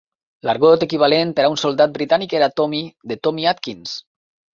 L"argot equivalent per a un soldat britànic era "Tommy" de Tommy Atkins.